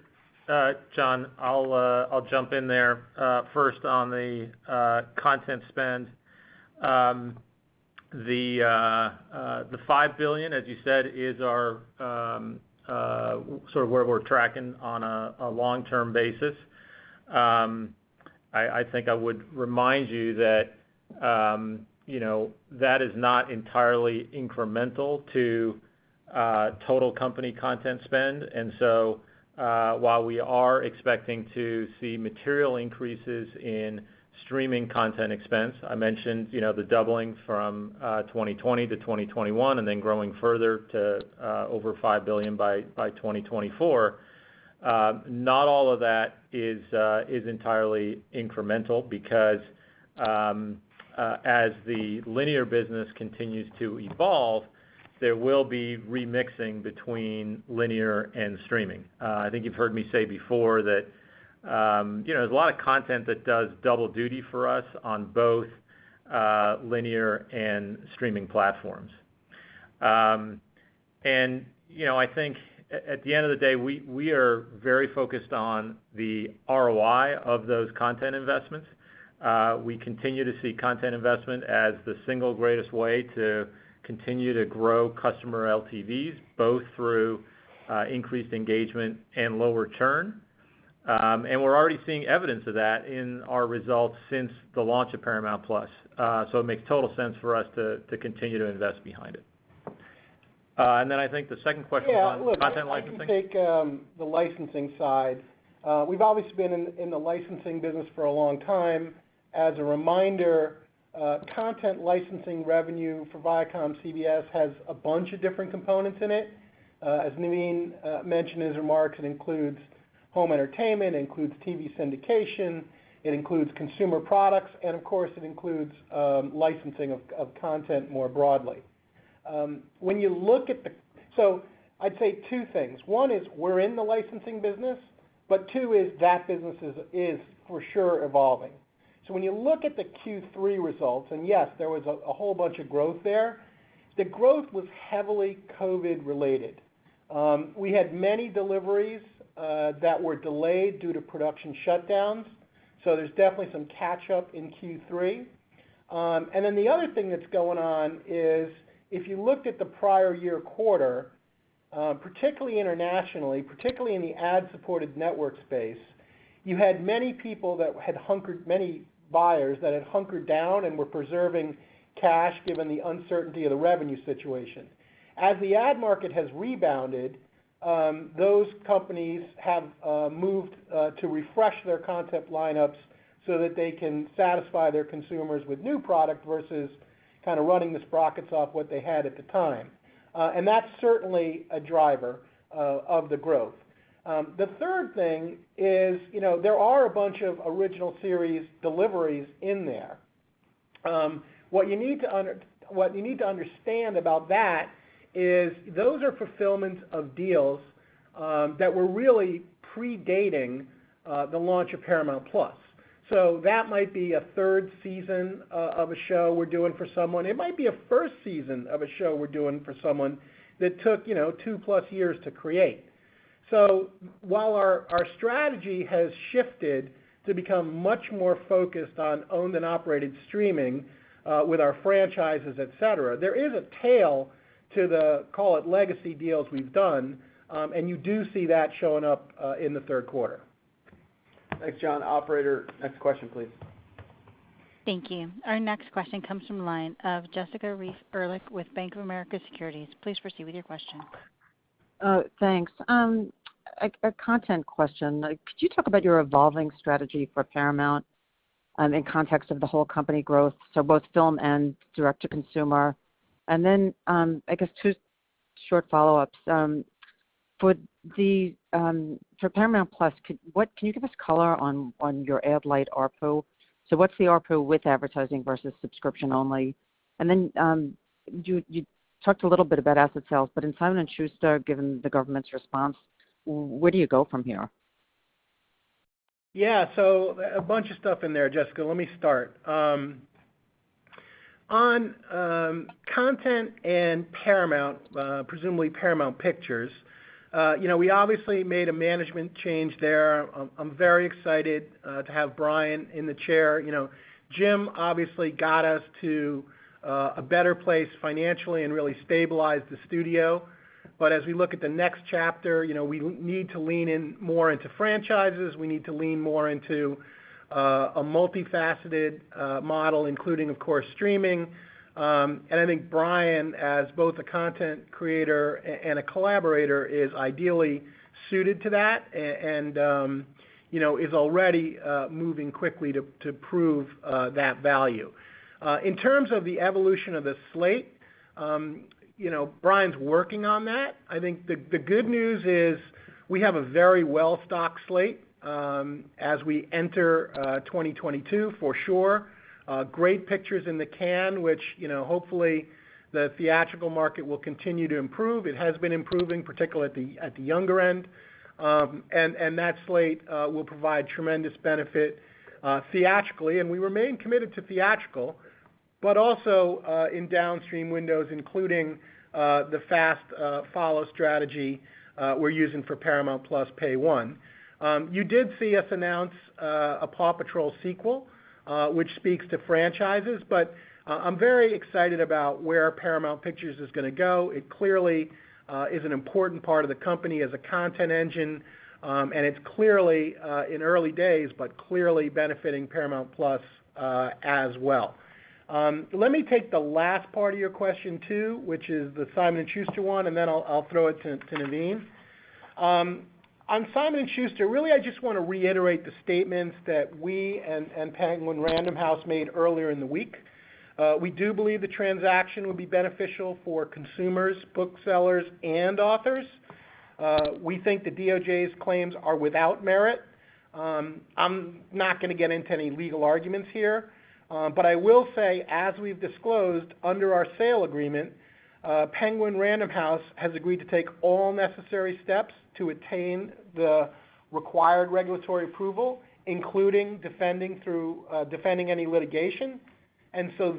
John, I'll jump in there. First on the content spend. The $5 billion, as you said, is sort of where we're tracking on a long-term basis. I think I would remind you that, you know, that is not entirely incremental to total company content spend. While we are expecting to see material increases in streaming content expense, I mentioned, you know, the doubling from 2020 to 2021, and then growing further to over $5 billion by 2024. Not all of that is entirely incremental because as the linear business continues to evolve, there will be remixing between linear and streaming. I think you've heard me say before that, you know, there's a lot of content that does double duty for us on both linear and streaming platforms. You know, I think at the end of the day, we are very focused on the ROI of those content investments. We continue to see content investment as the single greatest way to continue to grow customer LTVs, both through increased engagement and lower churn. We're already seeing evidence of that in our results since the launch of Paramount+. It makes total sense for us to continue to invest behind it. Then I think the second question was on content licensing. Yeah. Look, I can take the licensing side. We've obviously been in the licensing business for a long time. As a reminder, content licensing revenue for ViacomCBS has a bunch of different components in it. As Naveen mentioned in his remarks, it includes home entertainment, it includes TV syndication, it includes consumer products, and of course, it includes licensing of content more broadly. I'd say two things. One is we're in the licensing business, but two is that business is for sure evolving. When you look at the Q3 results, and yes, there was a whole bunch of growth there, the growth was heavily COVID related. We had many deliveries that were delayed due to production shutdowns, so there's definitely some catch-up in Q3. The other thing that's going on is if you looked at the prior year quarter, particularly internationally, particularly in the ad-supported network space, you had many people that had many buyers that had hunkered down and were preserving cash given the uncertainty of the revenue situation. As the ad market has rebounded, those companies have moved to refresh their content lineups so that they can satisfy their consumers with new product versus kind of running the sprockets off what they had at the time. That's certainly a driver of the growth. The third thing is, you know, there are a bunch of original series deliveries in there. What you need to understand about that is those are fulfillments of deals that were really predating the launch of Paramount+. That might be a third season of a show we're doing for someone. It might be a first season of a show we're doing for someone that took, you know, two years+ to create. While our strategy has shifted to become much more focused on owned and operated streaming with our franchises, et cetera, there is a tail to the, call it, legacy deals we've done, and you do see that showing up in the third quarter. Thanks, John. Operator, next question, please. Thank you. Our next question comes from the line of Jessica Reif Ehrlich with Bank of America Securities. Please proceed with your question. Thanks. A content question. Could you talk about your evolving strategy for Paramount, in context of the whole company growth, so both film and direct to consumer? I guess two short follow-ups. For Paramount+, can you give us color on your ad light ARPU? So what's the ARPU with advertising versus subscription only? You talked a little bit about asset sales, but in Simon & Schuster, given the government's response, where do you go from here? Yeah. A bunch of stuff in there, Jessica. Let me start. On content and Paramount, presumably Paramount Pictures, you know, we obviously made a management change there. I'm very excited to have Brian in the chair. You know, Jim obviously got us to a better place financially and really stabilized the studio. As we look at the next chapter, you know, we need to lean in more into franchises. We need to lean more into a multifaceted model, including, of course, streaming. I think Brian, as both a content creator and a collaborator, is ideally suited to that and, you know, is already moving quickly to prove that value. In terms of the evolution of the slate, you know, Brian's working on that. I think the good news is we have a very well-stocked slate as we enter 2022, for sure. Great pictures in the can, which you know, hopefully the theatrical market will continue to improve. It has been improving, particularly at the younger end. That slate will provide tremendous benefit theatrically, and we remain committed to theatrical, but also in downstream windows, including the fast follow strategy we're using for Paramount+ Pay One. You did see us announce a PAW Patrol sequel, which speaks to franchises, but I'm very excited about where Paramount Pictures is gonna go. It clearly is an important part of the company as a content engine, and it's clearly in early days, but clearly benefiting Paramount+, as well. Let me take the last part of your question too, which is the Simon & Schuster one, and then I'll throw it to Naveen. On Simon and Schuster, really, I just want to reiterate the statements that we and Penguin Random House made earlier in the week. We do believe the transaction will be beneficial for consumers, booksellers, and authors. We think the DOJ's claims are without merit. I'm not gonna get into any legal arguments here. But I will say, as we've disclosed under our sale agreement, Penguin Random House has agreed to take all necessary steps to attain the required regulatory approval, including defending any litigation.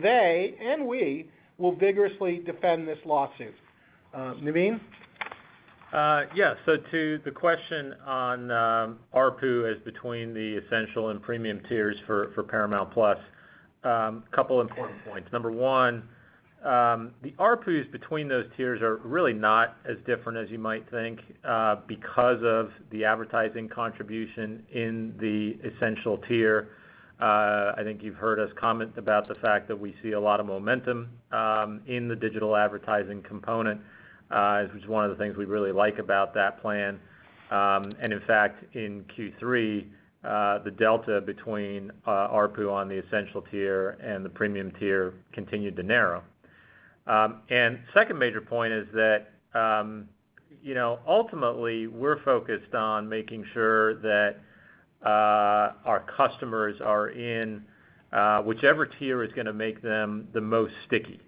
They, and we, will vigorously defend this lawsuit. Naveen? To the question on ARPU as between the essential and premium tiers for Paramount+, couple important points. Number one, the ARPUs between those tiers are really not as different as you might think, because of the advertising contribution in the essential tier. I think you've heard us comment about the fact that we see a lot of momentum in the digital advertising component, which is one of the things we really like about that plan. In fact, in Q3, the delta between ARPU on the essential tier and the premium tier continued to narrow. Second major point is that, you know, ultimately, we're focused on making sure that our customers are in whichever tier is gonna make them the most sticky,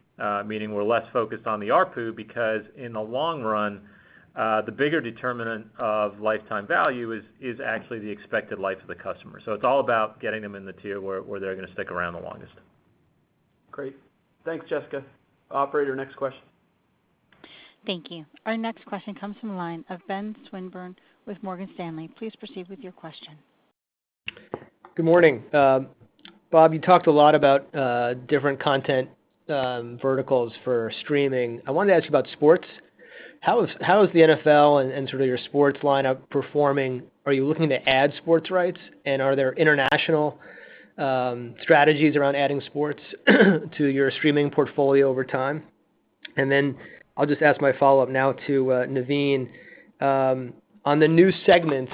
meaning we're less focused on the ARPU because in the long run, the bigger determinant of lifetime value is actually the expected life of the customer. It's all about getting them in the tier where they're gonna stick around the longest. Great. Thanks, Jessica. Operator, next question. Thank you. Our next question comes from the line of Benjamin Swinburne with Morgan Stanley. Please proceed with your question. Good morning. Bob, you talked a lot about different content verticals for streaming. I wanted to ask you about sports. How is the NFL and sort of your sports lineup performing? Are you looking to add sports rights? Are there international strategies around adding sports to your streaming portfolio over time? Then I'll just ask my follow-up now to Naveen. On the new segments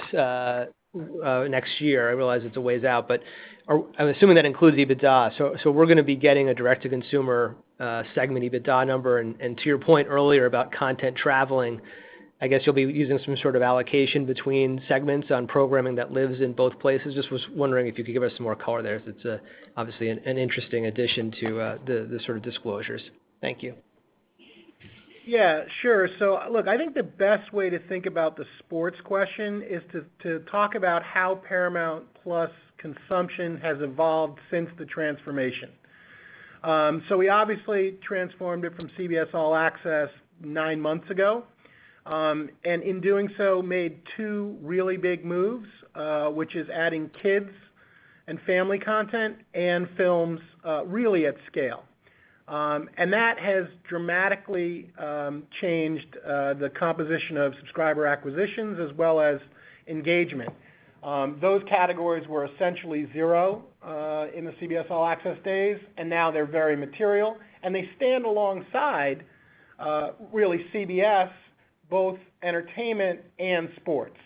next year, I realize it's a ways out, but I'm assuming that includes EBITDA. We're gonna be getting a direct-to-consumer segment EBITDA number. To your point earlier about content traveling, I guess you'll be using some sort of allocation between segments on programming that lives in both places. Just was wondering if you could give us some more color there since it's obviously an interesting addition to the sort of disclosures. Thank you. Yeah, sure. Look, I think the best way to think about the sports question is to talk about how Paramount+ consumption has evolved since the transformation. We obviously transformed it from CBS All Access nine months ago. In doing so, we made two really big moves, which is adding kids and family content and films really at scale. That has dramatically changed the composition of subscriber acquisitions as well as engagement. Those categories were essentially zero in the CBS All Access days, and now they're very material, and they stand alongside really CBS, both entertainment and sports.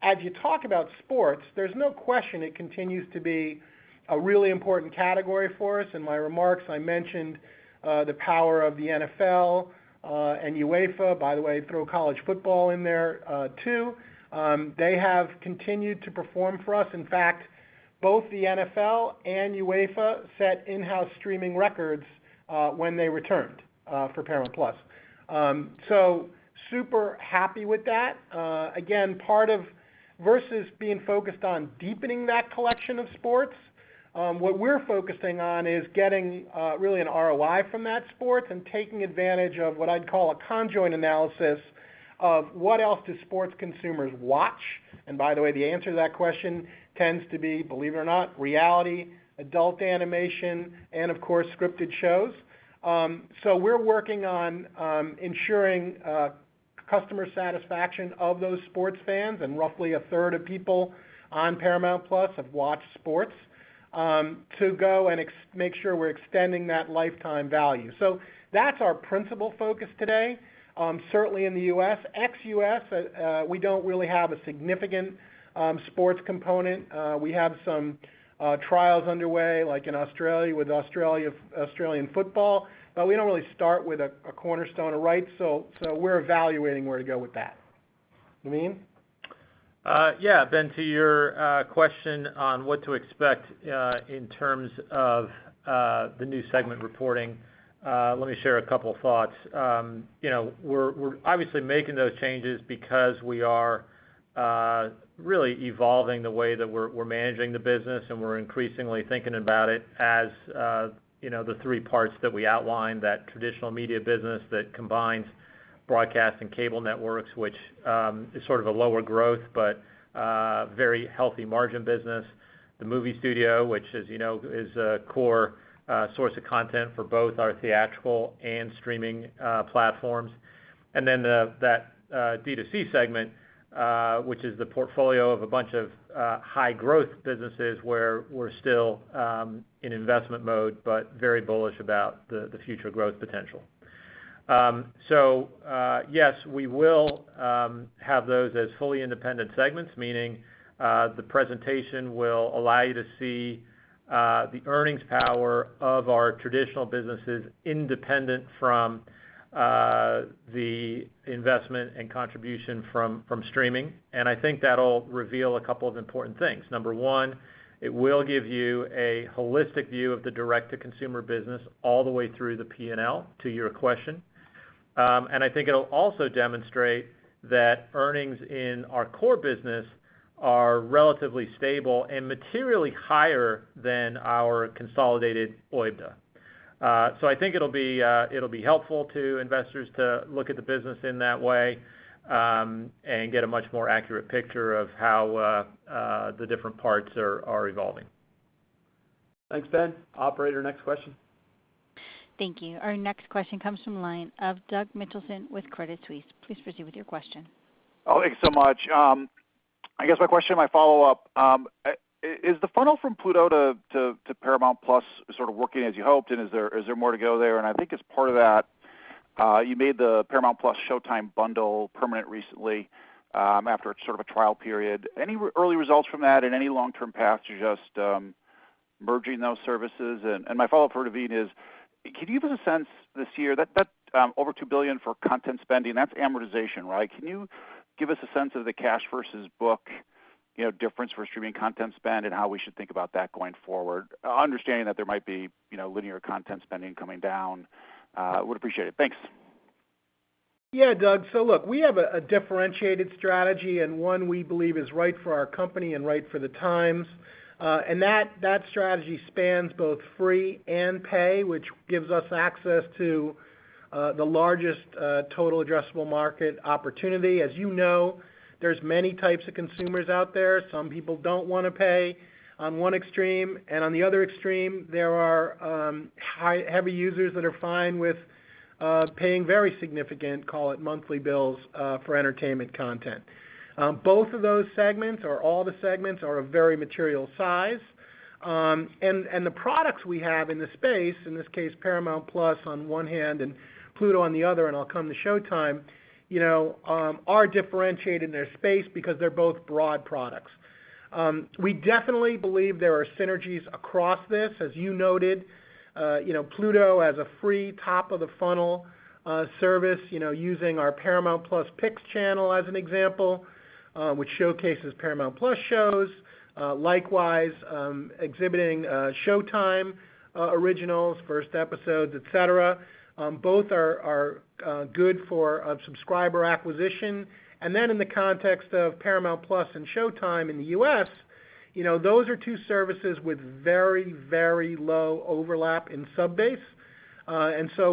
As you talk about sports, there's no question it continues to be a really important category for us. In my remarks, I mentioned the power of the NFL and UEFA. By the way, throw college football in there, too. They have continued to perform for us. In fact, both the NFL and UEFA set in-house streaming records when they returned for Paramount+. Super happy with that. Again, part of versus being focused on deepening that collection of sports, what we're focusing on is getting really an ROI from that sport and taking advantage of what I'd call a conjoint analysis of what else do sports consumers watch. By the way, the answer to that question tends to be, believe it or not, reality, adult animation, and of course, scripted shows. We're working on ensuring customer satisfaction of those sports fans, and roughly a third of people on Paramount+ have watched sports to go and make sure we're extending that lifetime value. That's our principal focus today, certainly in the U.S. Ex-U.S., we don't really have a significant sports component. We have some trials underway, like in Australia with Australian football, but we don't really start with a cornerstone of rights, so we're evaluating where to go with that. Naveen? Yeah. Ben, to your question on what to expect in terms of the new segment reporting, let me share a couple thoughts. You know, we're obviously making those changes because we are really evolving the way that we're managing the business, and we're increasingly thinking about it as you know, the three parts that we outlined, that traditional media business that combines broadcast and cable networks, which is sort of a lower growth, but very healthy margin business. The movie studio, which as you know, is a core source of content for both our theatrical and streaming platforms. Then the D2C segment, which is the portfolio of a bunch of high growth businesses where we're still in investment mode, but very bullish about the future growth potential. Yes, we will have those as fully independent segments, meaning the presentation will allow you to see the earnings power of our traditional businesses independent from the investment and contribution from streaming. I think that'll reveal a couple of important things. Number one, it will give you a holistic view of the direct-to-consumer business all the way through the P&L, to your question. I think it'll also demonstrate that earnings in our core business are relatively stable and materially higher than our consolidated OIBDA. I think it'll be helpful to investors to look at the business in that way and get a much more accurate picture of how the different parts are evolving. Thanks, Ben. Operator, next question. Thank you. Our next question comes from line of Doug Mitchelson with Credit Suisse. Please proceed with your question. Oh, thanks so much. I guess my question, my follow-up, is the funnel from Pluto TV to Paramount+ sort of working as you hoped? Is there more to go there? I think as part of that, you made the Paramount+ Showtime bundle permanent recently, after sort of a trial period. Any early results from that and any long-term paths you're just merging those services? My follow-up for Naveen is, can you give us a sense this year that over $2 billion for content spending, that's amortization, right? Can you give us a sense of the cash versus book, you know, difference for streaming content spend and how we should think about that going forward? Understanding that there might be, you know, linear content spending coming down. Would appreciate it. Thanks. Yeah, Doug. Look, we have a differentiated strategy and one we believe is right for our company and right for the times. That strategy spans both free and pay, which gives us access to the largest total addressable market opportunity. As you know, there's many types of consumers out there. Some people don't wanna pay on one extreme, and on the other extreme, there are high heavy users that are fine with paying very significant, call it monthly bills for entertainment content. Both of those segments or all the segments are a very material size. The products we have in this space, in this case, Paramount+ on one hand and Pluto TV on the other, and I'll come to Showtime, you know, are differentiated in their space because they're both broad products. We definitely believe there are synergies across this. As you noted, you know, Pluto TV as a free top of the funnel service, you know, using our Paramount+ Picks channel as an example, which showcases Paramount+ shows, likewise exhibiting Showtime originals, first episodes, et cetera, both are good for subscriber acquisition. In the context of Paramount+ and Showtime in the U.S., you know, those are two services with very, very low overlap in subbase.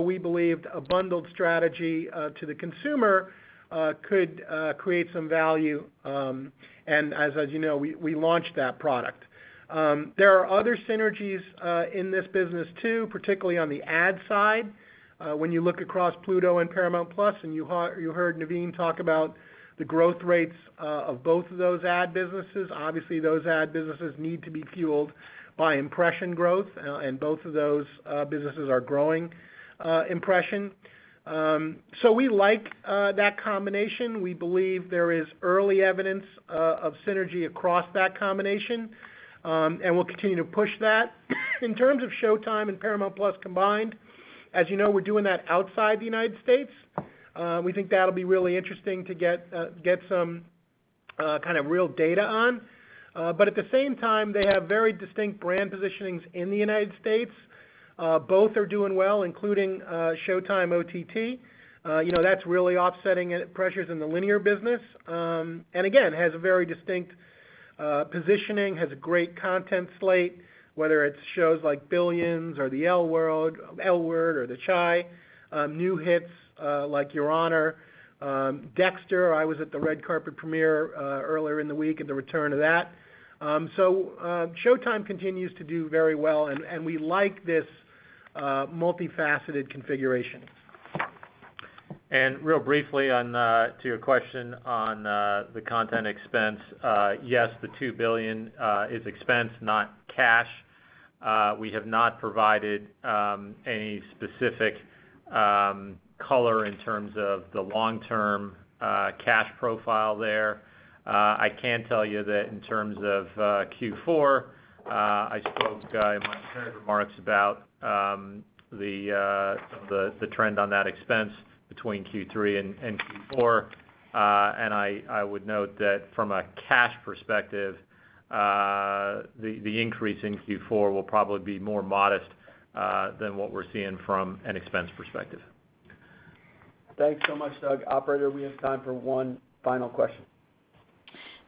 We believed a bundled strategy to the consumer could create some value, and as you know, we launched that product. There are other synergies in this business too, particularly on the ad side. When you look across Pluto TV and Paramount+, and you heard Naveen talk about the growth rates of both of those ad businesses. Obviously, those ad businesses need to be fueled by impression growth, and both of those businesses are growing impression. We like that combination. We believe there is early evidence of synergy across that combination, and we'll continue to push that. In terms of Showtime and Paramount+ combined, as you know, we're doing that outside the U.S. We think that'll be really interesting to get some kind of real data on. At the same time, they have very distinct brand positionings in the U.S. Both are doing well, including Showtime OTT. You know, that's really offsetting pressures in the linear business. Again, has a very distinct positioning, has a great content slate, whether it's shows like Billions or The L Word or The Chi, new hits like Your Honor, Dexter. I was at the red carpet premiere earlier in the week and the return of that. Showtime continues to do very well, and we like this multifaceted configuration. Really briefly on to your question on the content expense, yes, $2 billion is expense, not cash. We have not provided any specific color in terms of the long-term cash profile there. I can tell you that in terms of Q4, I spoke in my prepared remarks about some of the trend on that expense between Q3 and Q4. I would note that from a cash perspective, the increase in Q4 will probably be more modest than what we're seeing from an expense perspective. Thanks so much, Doug. Operator, we have time for one final question.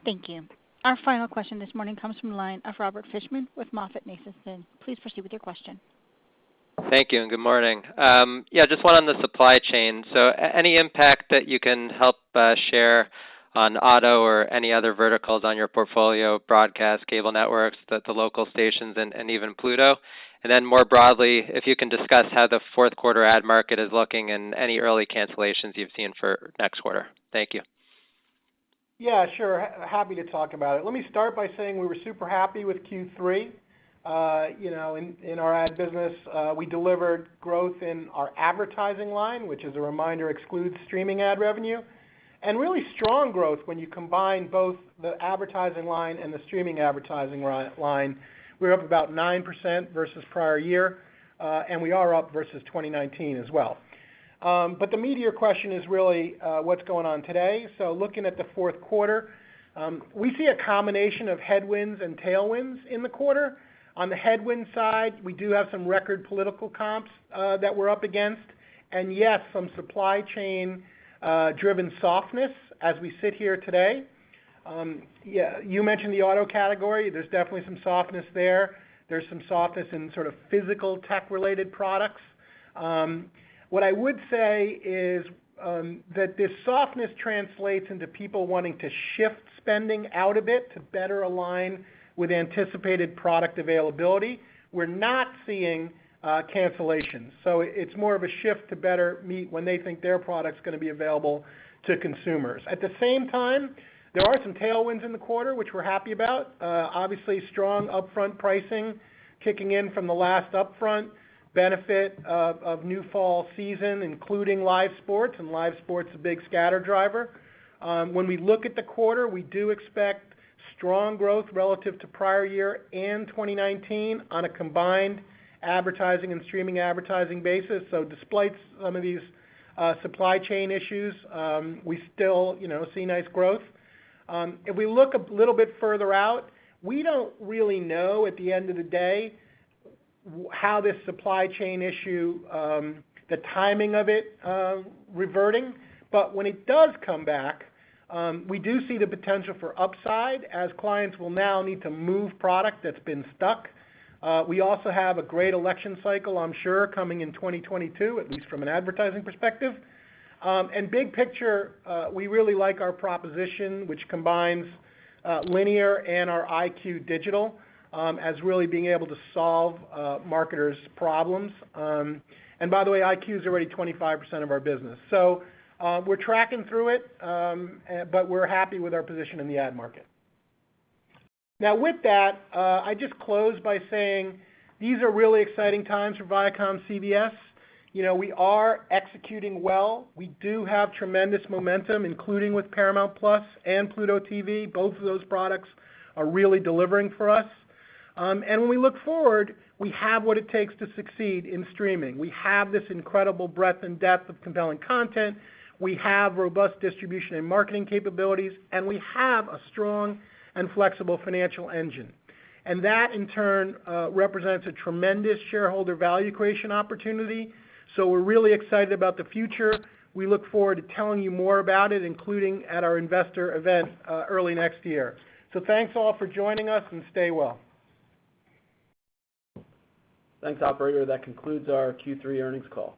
Thank you. Our final question this morning comes from the line of Robert Fishman with MoffettNathanson. Please proceed with your question. Thank you and good morning. Yeah, just one on the supply chain. Any impact that you can help share on auto or any other verticals on your portfolio, broadcast, cable networks, the local stations and even Pluto TV. Then more broadly, if you can discuss how the fourth quarter ad market is looking and any early cancellations you've seen for next quarter. Thank you. Yeah, sure. Happy to talk about it. Let me start by saying we were super happy with Q3, you know, in our ad business. We delivered growth in our advertising line, which as a reminder excludes streaming ad revenue, and really strong growth when you combine both the advertising line and the streaming advertising line. We're up about 9% versus prior year, and we are up versus 2019 as well. The meat of your question is really what's going on today. Looking at the fourth quarter, we see a combination of headwinds and tailwinds in the quarter. On the headwind side, we do have some record political comps that we're up against, and yes, some supply chain driven softness as we sit here today. Yeah, you mentioned the auto category. There's definitely some softness there. There's some softness in sort of physical tech related products. What I would say is that this softness translates into people wanting to shift spending out a bit to better align with anticipated product availability. We're not seeing cancellations. It's more of a shift to better meet when they think their product's gonna be available to consumers. At the same time, there are some tailwinds in the quarter, which we're happy about. Obviously, strong upfront pricing kicking in from the last upfront benefit of new fall season, including live sports, and live sports a big scatter driver. When we look at the quarter, we do expect strong growth relative to prior year and 2019 on a combined advertising and streaming advertising basis. Despite some of these supply chain issues, we still, you know, see nice growth. If we look a little bit further out, we don't really know at the end of the day how this supply chain issue, the timing of it, reverting. When it does come back, we do see the potential for upside as clients will now need to move product that's been stuck. We also have a great election cycle, I'm sure, coming in 2022, at least from an advertising perspective. Big picture, we really like our proposition, which combines linear and our EyeQ digital as really being able to solve marketers' problems. By the way, EyeQ is already 25% of our business. We're tracking through it, but we're happy with our position in the ad market. Now, with that, I just close by saying these are really exciting times for ViacomCBS. You know, we are executing well. We do have tremendous momentum, including with Paramount+ and Pluto TV. Both of those products are really delivering for us. When we look forward, we have what it takes to succeed in streaming. We have this incredible breadth and depth of compelling content. We have robust distribution and marketing capabilities, and we have a strong and flexible financial engine. That in turn represents a tremendous shareholder value creation opportunity. We're really excited about the future. We look forward to telling you more about it, including at our Investor Event early next year. Thanks all for joining us, and stay well. Thanks, operator. That concludes our Q3 earnings call.